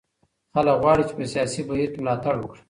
خلګ غواړي چي په سياسي بهير کي ملاتړ وکړي.